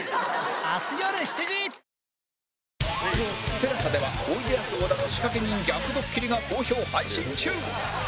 ＴＥＬＡＳＡ ではおいでやす小田の仕掛け人逆ドッキリが好評配信中！